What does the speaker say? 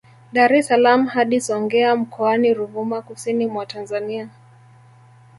Dar es salaam hadi Songea Mkoani Ruvuma Kusini mwa Tanzania